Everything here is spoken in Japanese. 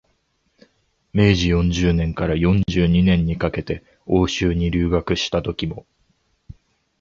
明治四十年から四十二年にかけて欧州に留学したときも、